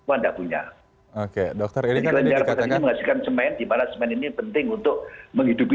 oke dokter ini menghasilkan cemen di mana cemen ini penting untuk menghidupi